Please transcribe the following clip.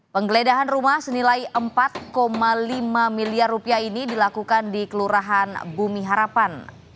penggeledahan rumah senilai empat lima miliar rupiah ini dilakukan di kelurahan bumi harapan